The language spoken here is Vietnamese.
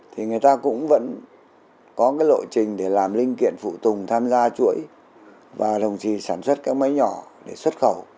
thì người ta cũng vẫn có cái lộ trình để làm linh kiện phụ tùng tham gia chuỗi và đồng trì sản xuất các máy nhỏ để xuất khẩu